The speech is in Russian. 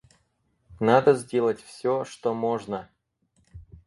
Надо сделать всё, что можно.